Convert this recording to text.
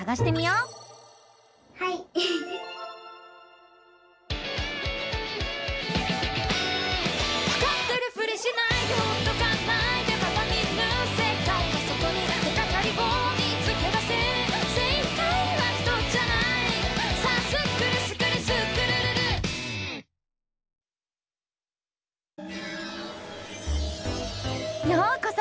ようこそ！